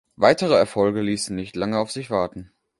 Weitere Erfolge ließen nicht lange auf sich warten.